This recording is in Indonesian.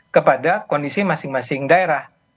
kepada kondisi masing masing daerah